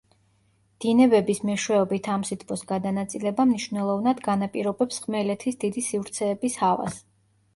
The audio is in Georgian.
დინებების მეშვეობით ამ სითბოს გადანაწილება მნიშვნელოვნად განაპირობებს ხმელეთის დიდი სივრცეების ჰავას.